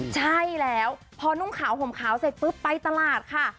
ใช่แล้วพอนุ่งขาวห่มขาวเสร็จปุ๊บไปตลาดค่ะ